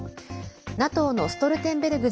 ＮＡＴＯのストルテンベルグ